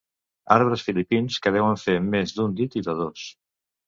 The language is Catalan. Arbres filipins que deuen fer més d'un dit i de dos.